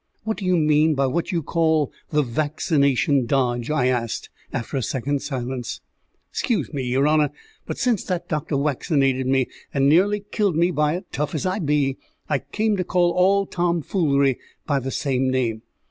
"What do you mean by what you call the vaccination dodge?" I asked, after a second's silence. "Scuse me, yer honour, but since that doctor waccinated me and nearly killed me by it, tough as I be, I come to call all tomfoolery by the same name.